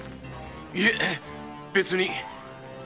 いぇ別に。